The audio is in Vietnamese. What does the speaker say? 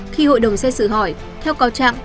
khi hội đồng xe xử hỏi theo cáo trạng